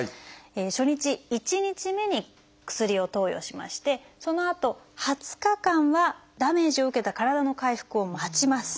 初日１日目に薬を投与しましてそのあと２０日間はダメージを受けた体の回復を待ちます。